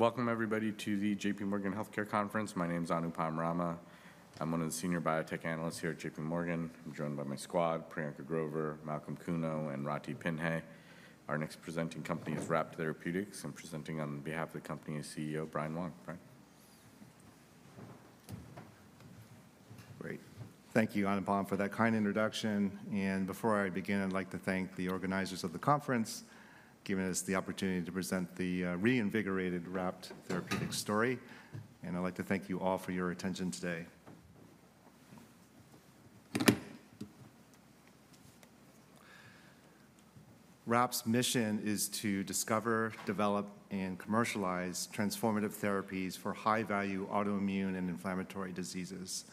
Welcome, everybody, to the JPMorgan Healthcare Conference. My name is Anupam Rama. I'm one of the senior biotech analysts here at JPMorgan. I'm joined by my squad: Priyanka Grover, Malcolm Kuno, and Rathi Pinhey. Our next presenting company is RAPT Therapeutics. I'm presenting on behalf of the company and CEO, Brian Wong. Brian? Great. Thank you, Anupam, for that kind introduction. Before I begin, I'd like to thank the organizers of the conference for giving us the opportunity to present the reinvigorated RAPT Therapeutics story. I'd like to thank you all for your attention today. RAPT's mission is to discover, develop, and commercialize transformative therapies for high-value autoimmune and inflammatory diseases.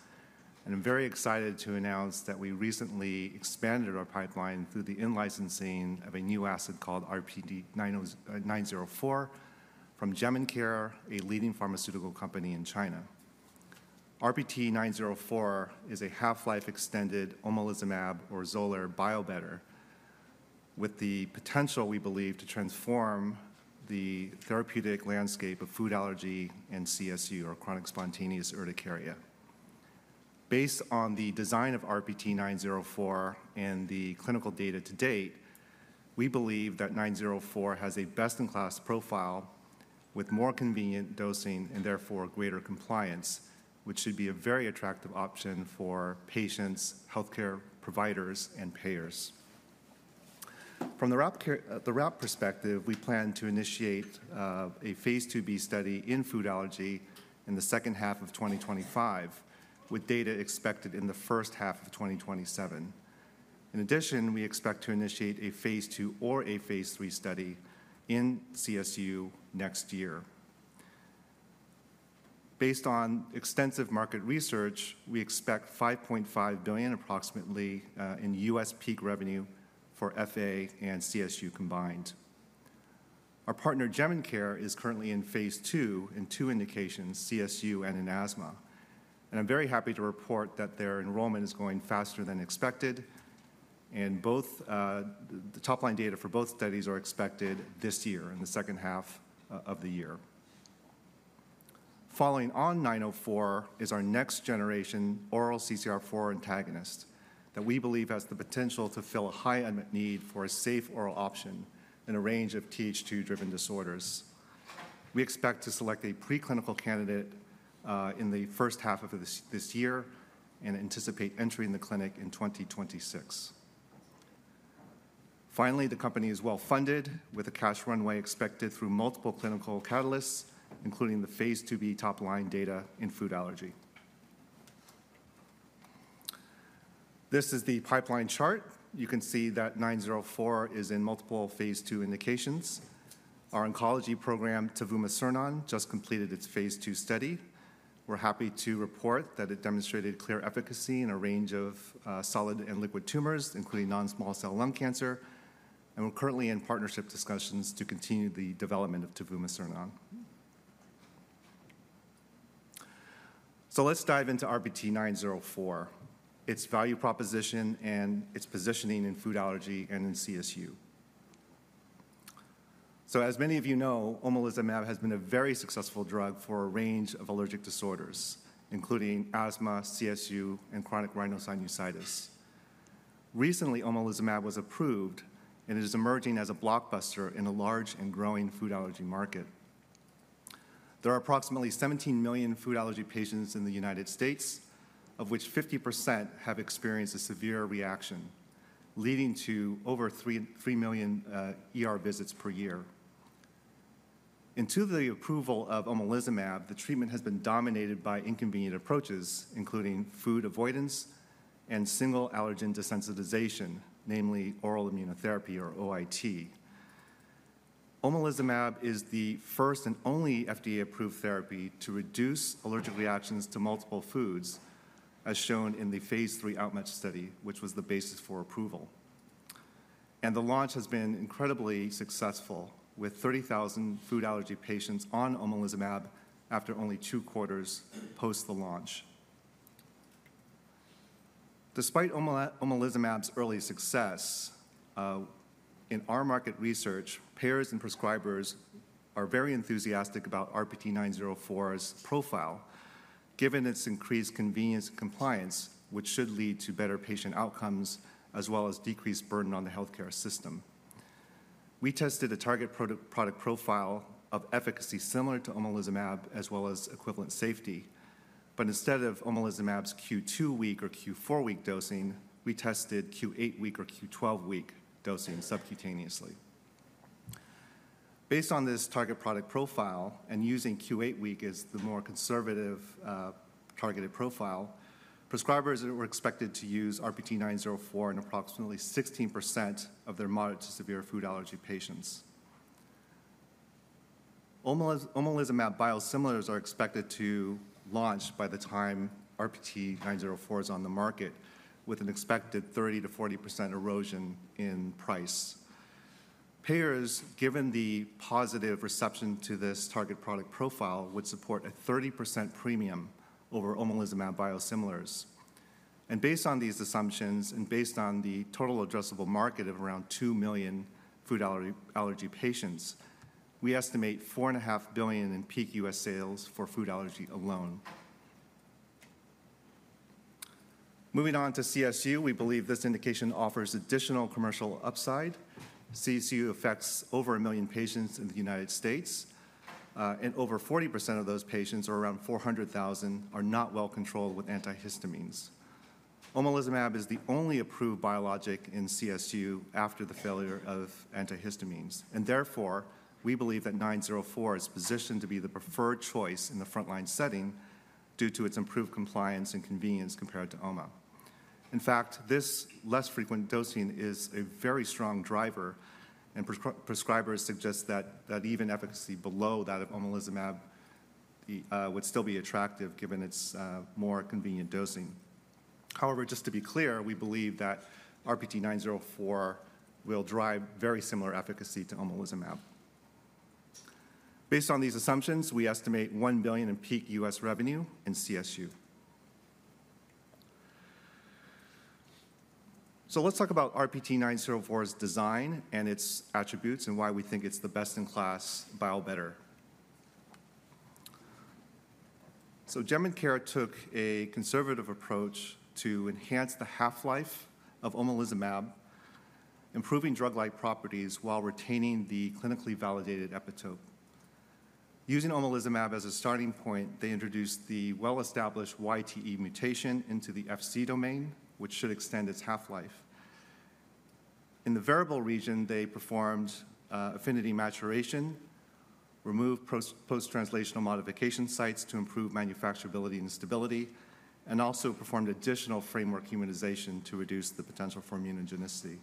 I'm very excited to announce that we recently expanded our pipeline through the in-licensing of a new asset called RPT904 from Jemincare, a leading pharmaceutical company in China. RPT904 is a half-life-extended omalizumab or Xolair biobetter with the potential, we believe, to transform the therapeutic landscape of food allergy and CSU, or chronic spontaneous urticaria. Based on the design of RPT904 and the clinical data to date, we believe that 904 has a best-in-class profile with more convenient dosing and, therefore, greater compliance, which should be a very attractive option for patients, healthcare providers, and payers. From the RAPT perspective, we plan to initiate a phase II-B study in food allergy in the second half of 2025, with data expected in the first half of 2027. In addition, we expect to initiate a phase II or a phase III study in CSU next year. Based on extensive market research, we expect $5.5 billion, approximately, in U.S. peak revenue for FA and CSU combined. Our partner, Jemincare, is currently in phase II in two indications: CSU and in asthma. I'm very happy to report that their enrollment is going faster than expected, and the top-line data for both studies are expected this year in the second half of the year. Following on 904 is our next-generation oral CCR4 antagonist that we believe has the potential to fill a high unmet need for a safe oral option in a range of Th2-driven disorders. We expect to select a preclinical candidate in the first half of this year and anticipate entering the clinic in 2026. Finally, the company is well-funded, with a cash runway expected through multiple clinical catalysts, including the phase II-B top-line data in food allergy. This is the pipeline chart. You can see that 904 is in multiple phase II indications. Our oncology program, tivumecirnon, just completed its phase II study. We're happy to report that it demonstrated clear efficacy in a range of solid and liquid tumors, including non-small cell lung cancer. We're currently in partnership discussions to continue the development of tivumecirnon. Let's dive into RPT904, its value proposition, and its positioning in food allergy and in CSU. As many of you know, omalizumab has been a very successful drug for a range of allergic disorders, including asthma, CSU, and chronic rhinosinusitis. Recently, omalizumab was approved, and it is emerging as a blockbuster in a large and growing food allergy market. There are approximately 17 million food allergy patients in the United States, of which 50% have experienced a severe reaction, leading to over 3 million visits per year. Prior to the approval of omalizumab, the treatment has been dominated by inconvenient approaches, including food avoidance and single allergen desensitization, namely oral immunotherapy, or OIT. Omalizumab is the first and only FDA-approved therapy to reduce allergic reactions to multiple foods, as shown in the phase III OUtMATCH study, which was the basis for approval, and the launch has been incredibly successful, with 30,000 food allergy patients on omalizumab after only two quarters post the launch. Despite omalizumab's early success, in our market research, payers and prescribers are very enthusiastic about RPT904's profile, given its increased convenience and compliance, which should lead to better patient outcomes as well as decreased burden on the healthcare system. We tested a target product profile of efficacy similar to omalizumab as well as equivalent safety, but instead of omalizumab's Q2-week or Q4-week dosing, we tested Q8-week or Q12-week dosing subcutaneously. Based on this target product profile, and using Q8-week as the more conservative targeted profile, prescribers were expected to use RPT904 in approximately 16% of their moderate to severe food allergy patients. Omalizumab biosimilars are expected to launch by the time RPT904 is on the market, with an expected 30%-40% erosion in price. Payers, given the positive reception to this target product profile, would support a 30% premium over omalizumab biosimilars, and based on these assumptions and based on the total addressable market of around two million food allergy patients, we estimate $4.5 billion in peak U.S. sales for food allergy alone. Moving on to CSU, we believe this indication offers additional commercial upside. CSU affects over a million patients in the United States, and over 40% of those patients, or around 400,000, are not well controlled with antihistamines. Omalizumab is the only approved biologic in CSU after the failure of antihistamines. Therefore, we believe that 904 is positioned to be the preferred choice in the front-line setting due to its improved compliance and convenience compared to OMA. In fact, this less frequent dosing is a very strong driver, and prescribers suggest that even efficacy below that of omalizumab would still be attractive, given its more convenient dosing. However, just to be clear, we believe that RPT904 will drive very similar efficacy to omalizumab. Based on these assumptions, we estimate $1 billion in peak U.S. revenue in CSU. Let's talk about RPT904's design and its attributes and why we think it's the best-in-class biobetter. Jemincare took a conservative approach to enhance the half-life of omalizumab, improving drug-like properties while retaining the clinically validated epitope. Using omalizumab as a starting point, they introduced the well-established YTE mutation into the Fc domain, which should extend its half-life. In the variable region, they performed affinity maturation, removed post-translational modification sites to improve manufacturability and stability, and also performed additional framework humanization to reduce the potential for immunogenicity.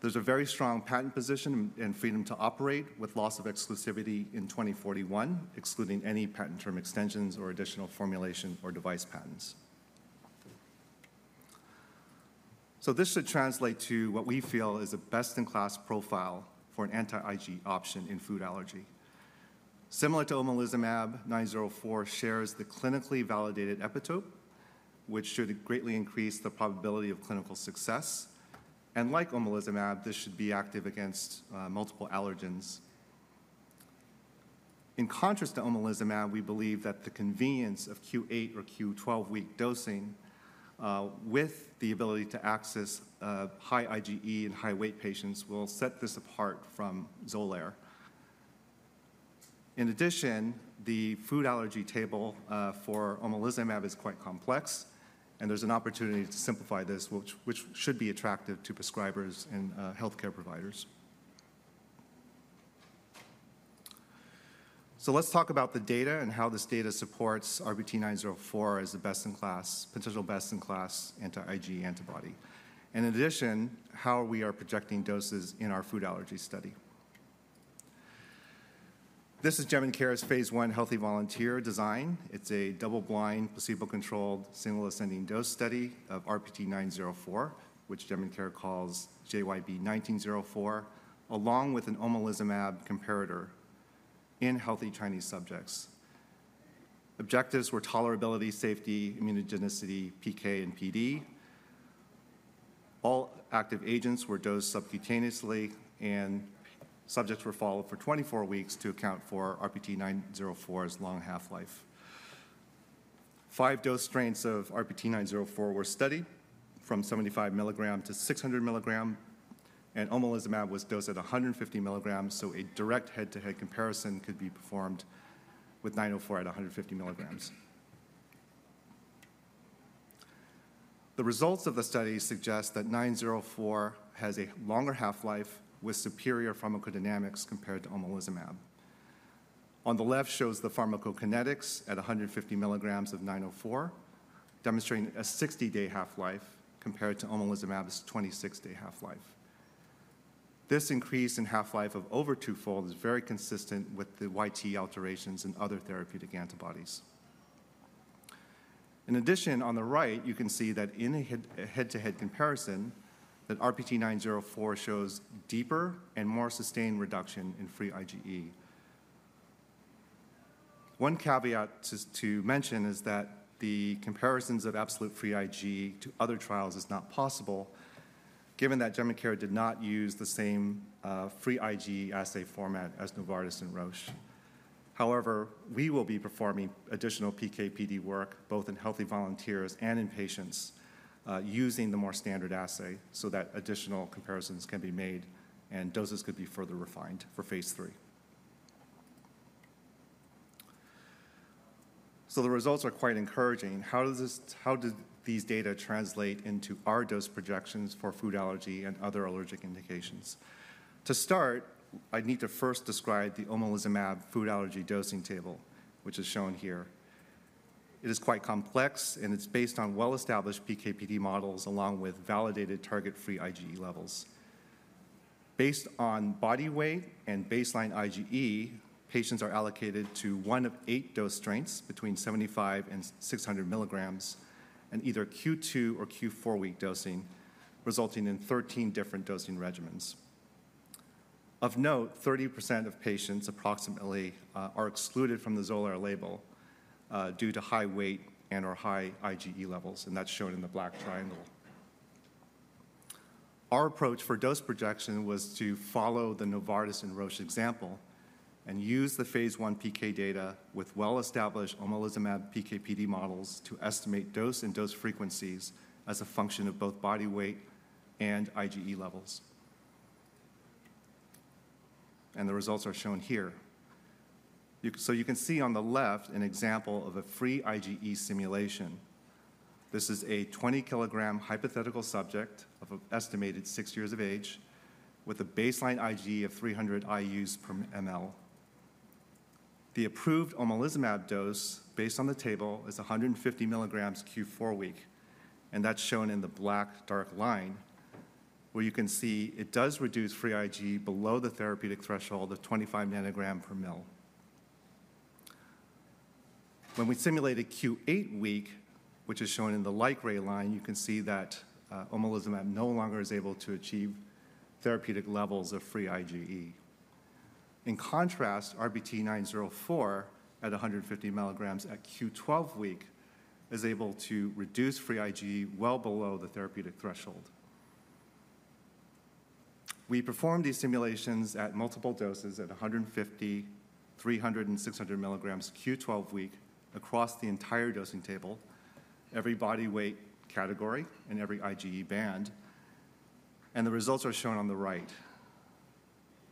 There's a very strong patent position and freedom to operate with loss of exclusivity in 2041, excluding any patent term extensions or additional formulation or device patents, so this should translate to what we feel is a best-in-class profile for an anti-IgE option in food allergy. Similar to omalizumab, 904 shares the clinically validated epitope, which should greatly increase the probability of clinical success, and like omalizumab, this should be active against multiple allergens. In contrast to omalizumab, we believe that the convenience of Q8 or Q12-week dosing with the ability to access high IgE and high weight patients will set this apart from Xolair. In addition, the food allergy table for omalizumab is quite complex, and there's an opportunity to simplify this, which should be attractive to prescribers and healthcare providers. So let's talk about the data and how this data supports RPT904 as the best-in-class, potential best-in-class anti-IgE antibody. And in addition, how we are projecting doses in our food allergy study. This is Jemincare's phase I healthy volunteer design. It's a double-blind, placebo-controlled, single-ascending dose study of RPT904, which Jemincare calls JYB1904, along with an omalizumab comparator in healthy Chinese subjects. Objectives were tolerability, safety, immunogenicity, PK, and PD. All active agents were dosed subcutaneously, and subjects were followed for 24 weeks to account for RPT904's long half-life. Five dose strengths of RPT904 were studied from 75 mg-600 mg, and omalizumab was dosed at 150 mg, so a direct head-to-head comparison could be performed with 904 at 150 mg. The results of the study suggest that 904 has a longer half-life with superior pharmacodynamics compared to omalizumab. On the left shows the pharmacokinetics at 150 mg of 904, demonstrating a 60-day half-life compared to omalizumab's 26-day half-life. This increase in half-life of over twofold is very consistent with the YTE alterations in other therapeutic antibodies. In addition, on the right, you can see that in a head-to-head comparison, that RPT904 shows deeper and more sustained reduction in free IgE. One caveat to mention is that the comparisons of absolute free IgE to other trials is not possible, given that Jemincare did not use the same free IgE assay format as Novartis and Roche. However, we will be performing additional PK/PD work both in healthy volunteers and in patients using the more standard assay so that additional comparisons can be made and doses could be further refined for phase III. The results are quite encouraging. How do these data translate into our dose projections for food allergy and other allergic indications? To start, I need to first describe the omalizumab food allergy dosing table, which is shown here. It is quite complex, and it's based on well-established PK/PD models along with validated target free IgE levels. Based on body weight and baseline IgE, patients are allocated to one of eight dose strata between 75 mg-600 mg and either Q2 or Q4-week dosing, resulting in 13 different dosing regimens. Of note, 30% of patients approximately are excluded from the Xolair label due to high weight and/or high IgE levels, and that's shown in the black triangle. Our approach for dose projection was to follow the Novartis and Roche example and use the phase I PK data with well-established omalizumab PK/PD models to estimate dose and dose frequencies as a function of both body weight and IgE levels. And the results are shown here. So you can see on the left an example of a free IgE simulation. This is a 20 kg hypothetical subject of estimated six years of age with a baseline IgE of 300 IU/mL. The approved omalizumab dose based on the table is 150 mg Q4-week, and that's shown in the black dark line, where you can see it does reduce free IgE below the therapeutic threshold of 25 ng/mL. When we simulate a Q8-week, which is shown in the light gray line, you can see that omalizumab no longer is able to achieve therapeutic levels of free IgE. In contrast, RPT904 at 150 mg at Q12-week is able to reduce free IgE well below the therapeutic threshold. We performed these simulations at multiple doses at 150 mg, 300 mg, and 600 mg Q12-week across the entire dosing table, every body weight category, and every IgE band, and the results are shown on the right.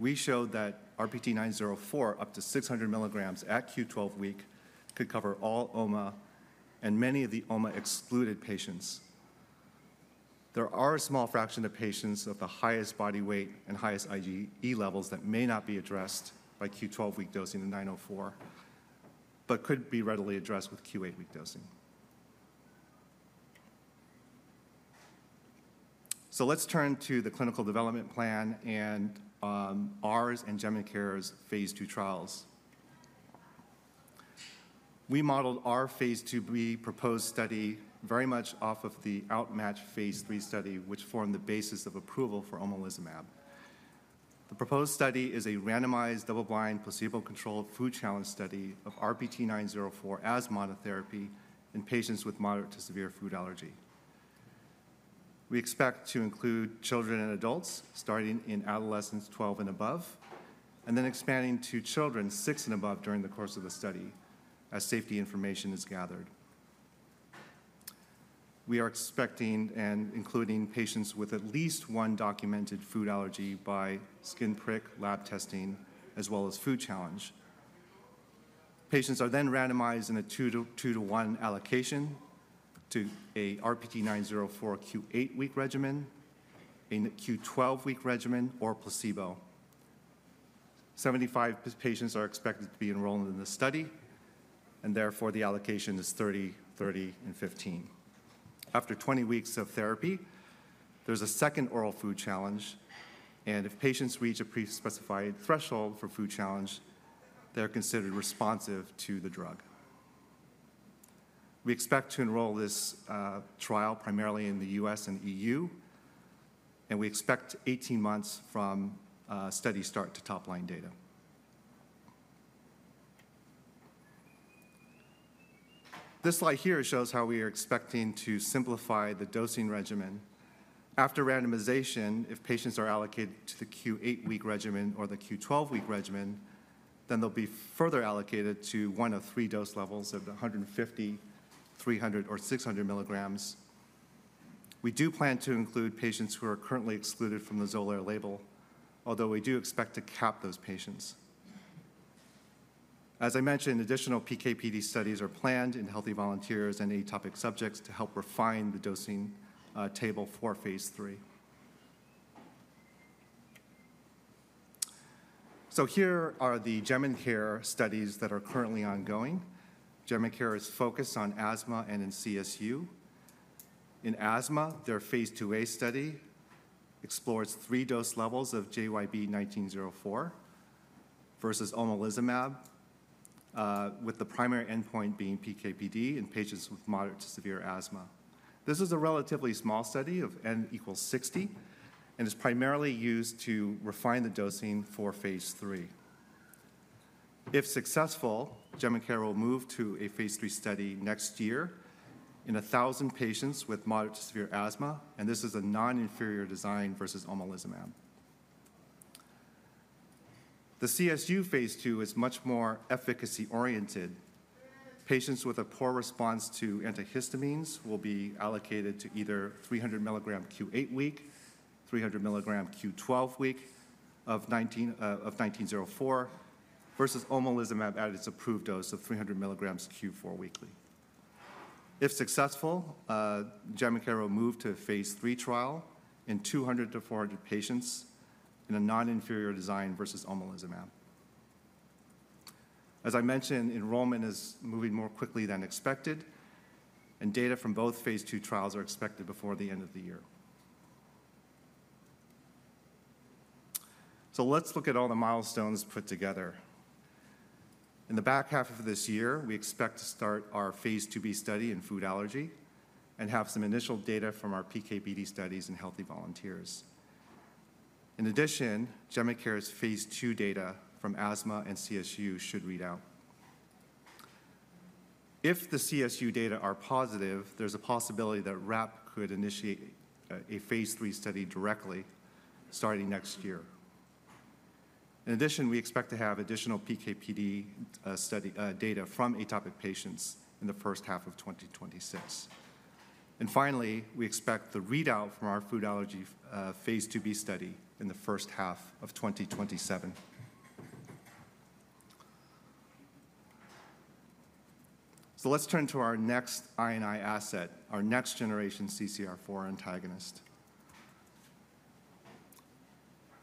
We showed that RPT904 up to 600 mg at Q12-week could cover all OMA and many of the OMA-excluded patients. There are a small fraction of patients of the highest body weight and highest IgE levels that may not be addressed by Q12-week dosing of 904, but could be readily addressed with Q8-week dosing. Let's turn to the clinical development plan and ours and Jemincare's phase II trials. We modeled our phase II-B proposed study very much off of the OUtMATCH phase III study, which formed the basis of approval for omalizumab. The proposed study is a randomized double-blind placebo-controlled food challenge study of RPT904 as monotherapy in patients with moderate to severe food allergy. We expect to include children and adults starting in adolescence 12 and above, and then expanding to children six and above during the course of the study as safety information is gathered. We are expecting and including patients with at least one documented food allergy by skin prick lab testing as well as food challenge. Patients are then randomized in a 2-to-1 allocation to an RPT904 Q8-week regimen, a Q12-week regimen, or placebo. 75 patients are expected to be enrolled in the study, and therefore the allocation is 30, 30, and 15. After 20 weeks of therapy, there's a second oral food challenge, and if patients reach a pre-specified threshold for food challenge, they're considered responsive to the drug. We expect to enroll this trial primarily in the U.S. and EU, and we expect 18 months from study start to top-line data. This slide here shows how we are expecting to simplify the dosing regimen. After randomization, if patients are allocated to the Q8-week regimen or the Q12-week regimen, then they'll be further allocated to one of three dose levels of the 150, 300, or 600 milligrams. We do plan to include patients who are currently excluded from the Xolair label, although we do expect to cap those patients. As I mentioned, additional PK/PD studies are planned in healthy volunteers and atopic subjects to help refine the dosing table for phase III. Here are the Jemincare studies that are currently ongoing. Jemincare is focused on asthma and in CSU. In asthma, their phase II-A study explores three dose levels of JYB1904 versus omalizumab, with the primary endpoint being PK/PD in patients with moderate to severe asthma. This is a relatively small study of N equals 60, and it's primarily used to refine the dosing for phase III. If successful, Jemincare will move to a phase III study next year in 1,000 patients with moderate to severe asthma, and this is a non-inferior design versus omalizumab. The CSU phase II is much more efficacy-oriented. Patients with a poor response to antihistamines will be allocated to either 300 mg Q8-week, 300 mg Q12-week of 1904 versus omalizumab at its approved dose of 300 mg Q4-weekly. If successful, Jemincare will move to a phase III trial in 200 patients-400 patients in a non-inferior design versus omalizumab. As I mentioned, enrollment is moving more quickly than expected, and data from both phase II trials are expected before the end of the year. So let's look at all the milestones put together. In the back half of this year, we expect to start our phase II-B study in food allergy and have some initial data from our PK/PD studies in healthy volunteers. In addition, Jemincare's phase II data from asthma and CSU should read out. If the CSU data are positive, there's a possibility that RAPT could initiate a phase III study directly starting next year. In addition, we expect to have additional PK/PD data from atopic patients in the first half of 2026. And finally, we expect the readout from our food allergy phase II-B study in the first half of 2027. So let's turn to our next IND asset, our next-generation CCR4 antagonist.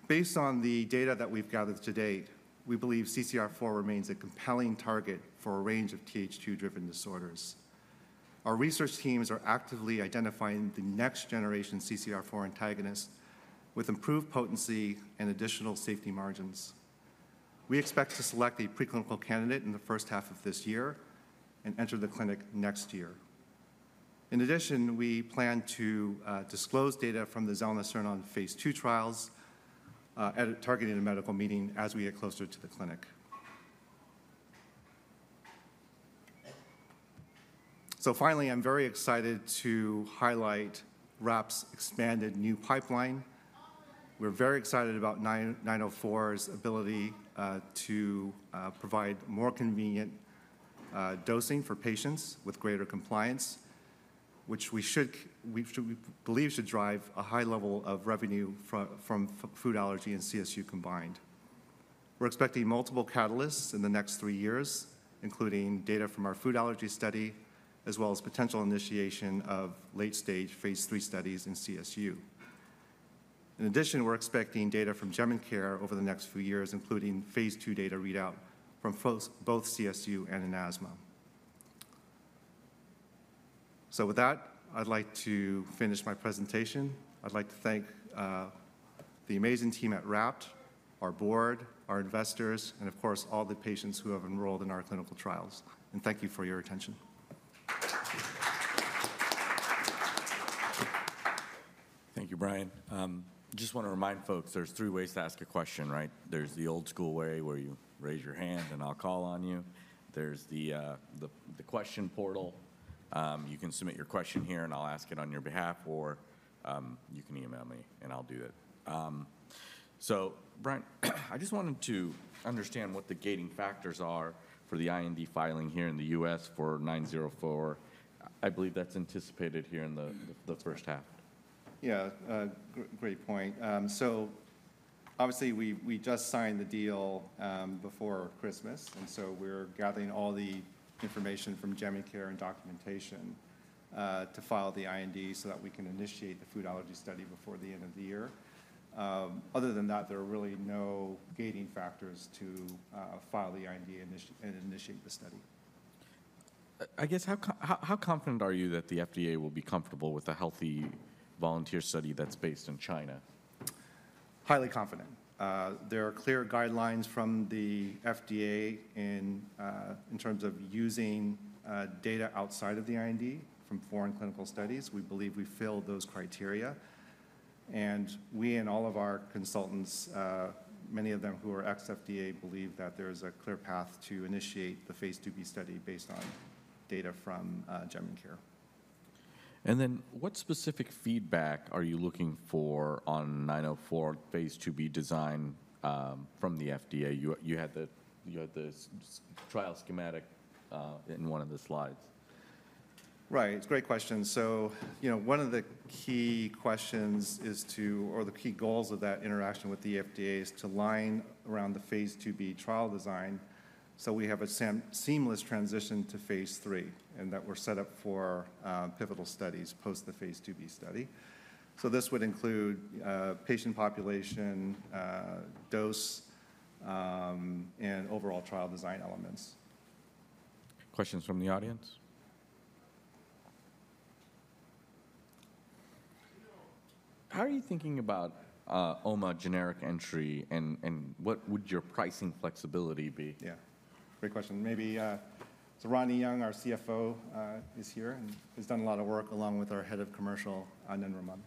Based on the data that we've gathered to date, we believe CCR4 remains a compelling target for a range of Th2-driven disorders. Our research teams are actively identifying the next-generation CCR4 antagonist with improved potency and additional safety margins. We expect to select a preclinical candidate in the first half of this year and enter the clinic next year. In addition, we plan to disclose data from the zelnecirnon phase II trials at a medical meeting as we get closer to the clinic. So finally, I'm very excited to highlight RAPT's expanded new pipeline. We're very excited about 904's ability to provide more convenient dosing for patients with greater compliance, which we believe should drive a high level of revenue from food allergy and CSU combined. We're expecting multiple catalysts in the next three years, including data from our food allergy study, as well as potential initiation of late-stage phase III studies in CSU. In addition, we're expecting data from Jemincare over the next few years, including phase II data readout from both CSU and in asthma. So with that, I'd like to finish my presentation. I'd like to thank the amazing team at RAPT, our board, our investors, and of course, all the patients who have enrolled in our clinical trials. And thank you for your attention. Thank you, Brian. Just want to remind folks, there's three ways to ask a question, right? There's the old-school way where you raise your hand and I'll call on you. There's the question portal. You can submit your question here and I'll ask it on your behalf, or you can email me and I'll do it. So Brian, I just wanted to understand what the gating factors are for the IND filing here in the U.S. for 904. I believe that's anticipated here in the first half. Yeah, great point. So obviously, we just signed the deal before Christmas, and so we're gathering all the information from Jemincare and documentation to file the IND so that we can initiate the food allergy study before the end of the year. Other than that, there are really no gating factors to file the IND and initiate the study. I guess, how confident are you that the FDA will be comfortable with a healthy volunteer study that's based in China? Highly confident. There are clear guidelines from the FDA in terms of using data outside of the IND from foreign clinical studies. We believe we fill those criteria, and we and all of our consultants, many of them who are ex-FDA, believe that there is a clear path to initiate the phase II-B study based on data from Jemincare. And then what specific feedback are you looking for on 904 phase II-B design from the FDA? You had the trial schematic in one of the slides. Right, it's a great question. One of the key goals of that interaction with the FDA is to align around the phase II-B trial design so we have a seamless transition to phase III and that we're set up for pivotal studies post the phase II-B study. So this would include patient population, dose, and overall trial design elements. Questions from the audience? How are you thinking about oma generic entry and what would your pricing flexibility be? Yeah, great question. Maybe Rodney Young, our CFO, is here and has done a lot of work along with our Head of Commercial, Anand Raman.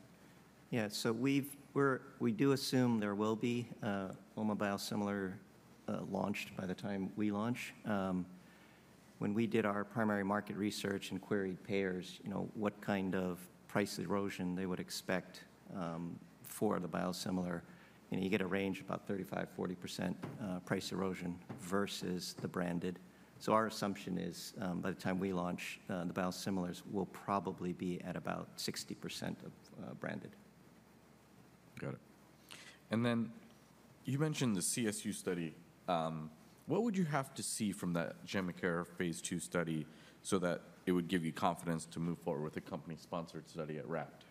Yeah, so we do assume there will be oma biosimilar launched by the time we launch. When we did our primary market research and queried payers what kind of price erosion they would expect for the biosimilar, you get a range of about 35%-40% price erosion versus the branded. So our assumption is by the time we launch the biosimilars, we'll probably be at about 60% of branded. Got it. And then you mentioned the CSU study. What would you have to see from that Jemincare phase II study so that it would give you confidence to move forward with a company-sponsored study at RAPT?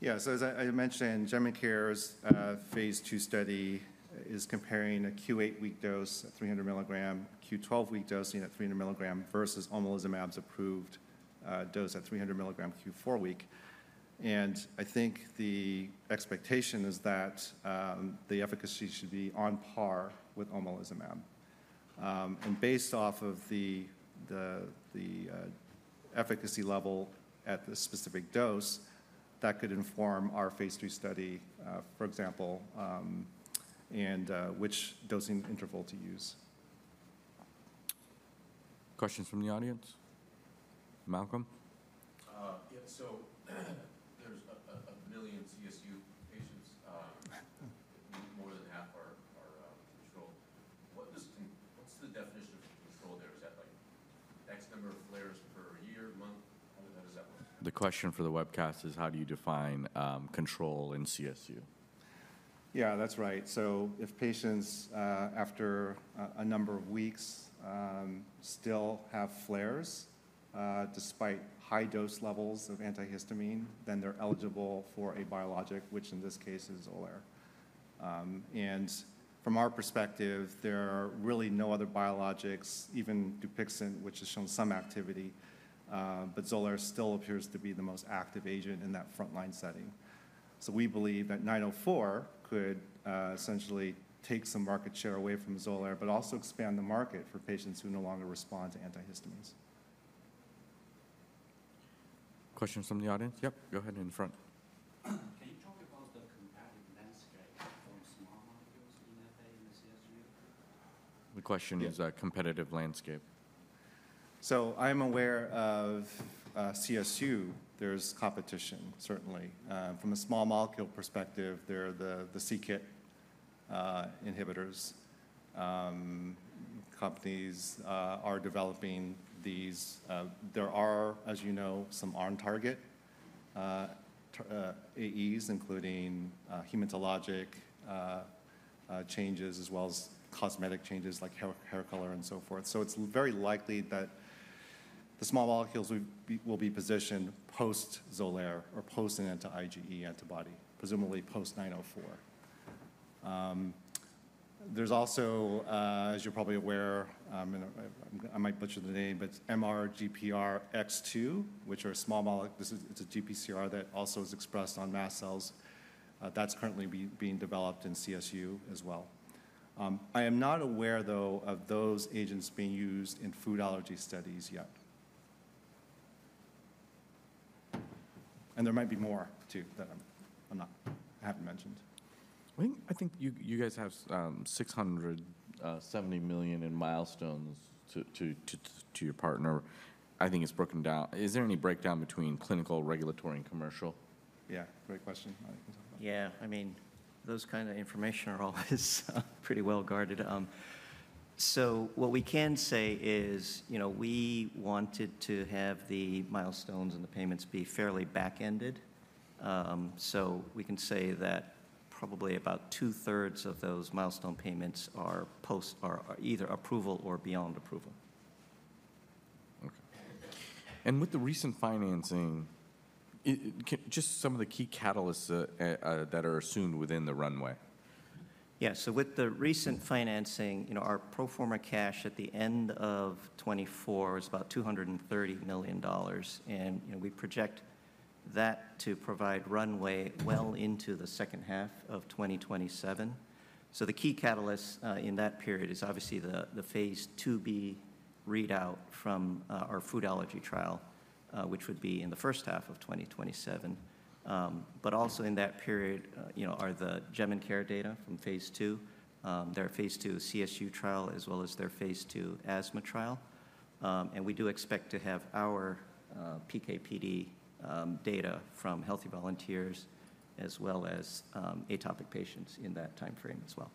Yeah, so as I mentioned, Jemincare's phase II study is comparing a Q8-week dose at 300 mg, Q12-week dosing at 300 mg versus omalizumab's approved dose at 300 mg Q4-week. And I think the expectation is that the efficacy should be on par with omalizumab. And based off of the efficacy level at the specific dose, that could inform our phase III study, for example, and which dosing interval to use. Questions from the audience? Malcolm? Yeah, so there's 1 million CSU patients, more than half are controlled. What's the definition of control there? Is that like X number of flares per year, month? How does that work? The question for the webcast is, how do you define control in CSU? Yeah, that's right, so if patients after a number of weeks still have flares despite high dose levels of antihistamine, then they're eligible for a biologic, which in this case is Xolair, and from our perspective, there are really no other biologics, even Dupixent, which has shown some activity, but Xolair still appears to be the most active agent in that front-line setting, so we believe that 904 could essentially take some market share away from Xolair, but also expand the market for patients who no longer respond to antihistamines. Questions from the audience? Yep, go ahead in front. Can you talk about the competitive landscape from small molecules in FA and CSU? The question is a competitive landscape. So I'm aware of CSU. There's competition, certainly. From a small molecule perspective, there are the c-Kit inhibitors. Companies are developing these. There are, as you know, some on-target AEs, including hematologic changes as well as cosmetic changes like hair color and so forth. So it's very likely that the small molecules will be positioned post Xolair or post an anti-IgE antibody, presumably post 904. There's also, as you're probably aware, I might butcher the name, but MRGPRX2, which are small molecules. It's a GPCR that also is expressed on mast cells. That's currently being developed in CSU as well. I am not aware, though, of those agents being used in food allergy studies yet. And there might be more too that I haven't mentioned. I think you guys have $670 million in milestones to your partner. I think it's broken down. Is there any breakdown between clinical, regulatory, and commercial? Yeah, great question. I can talk about it. Yeah, I mean, those kinds of information are always pretty well guarded. So what we can say is we wanted to have the milestones and the payments be fairly back-ended. So we can say that probably about two-thirds of those milestone payments are either approval or beyond approval. Okay. And with the recent financing, just some of the key catalysts that are assumed within the runway. Yeah, so with the recent financing, our pro forma cash at the end of 2024 is about $230 million. And we project that to provide runway well into the second half of 2027. So the key catalyst in that period is obviously the phase II-B readout from our food allergy trial, which would be in the first half of 2027. But also in that period are the Jemincare data from phase II. There are phase II CSU trial as well as their phase II asthma trial. And we do expect to have our PK/PD data from healthy volunteers as well as atopic patients in that timeframe as well.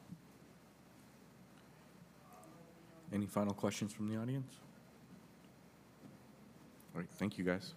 Any final questions from the audience? All right, thank you guys.